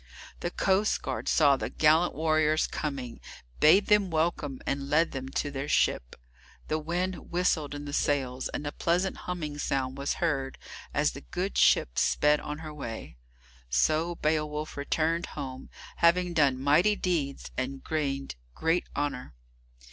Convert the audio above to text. The coastguard saw the gallant warriors coming, bade them welcome, and led them to their ship. The wind whistled in the sails, and a pleasant humming sound was heard as the good ship sped on her way. So Beowulf returned home, having done mighty deeds and gained great honour.